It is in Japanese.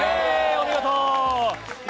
お見事。